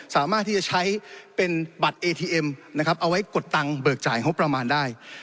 สามารถที่จะใช้เป็นบัตรเอทีเอ็มนะครับเอาไว้กดตังค์เบิกจ่ายงบประมาณได้